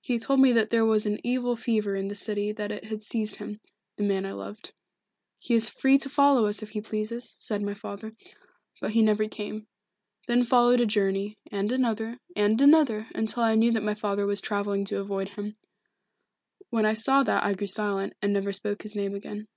He told me that there was an evil fever in the city and that it had seized him the man I loved. 'He is free to follow us if he pleases,' said my father. But he never came. Then followed a journey, and another, and another, until I knew that my father was travelling to avoid him. When I saw that I grew silent, and never spoke his name again.